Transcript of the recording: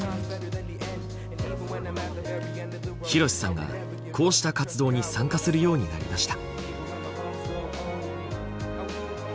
ひろしさんがこうした活動に参加するようになりました。